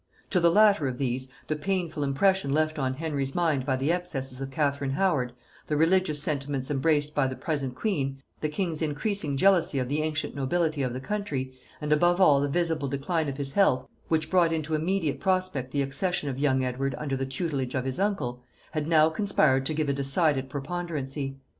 To the latter of these, the painful impression left on Henry's mind by the excesses of Catherine Howard, the religious sentiments embraced by the present queen, the king's increasing jealousy of the ancient nobility of the country, and above all the visible decline of his health, which brought into immediate prospect the accession of young Edward under the tutelage of his uncle, had now conspired to give a decided preponderancy.